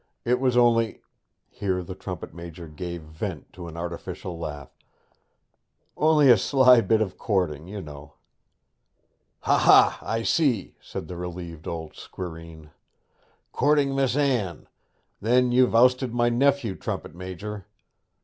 It was only' here the trumpet major gave vent to an artificial laugh 'only a sly bit of courting, you know.' 'Ha, ha, I see!' said the relieved old squireen. 'Courting Miss Anne! Then you've ousted my nephew, trumpet major!